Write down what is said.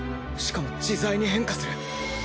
しかも自在に変化する。